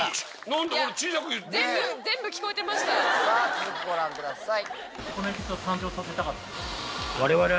続きご覧ください。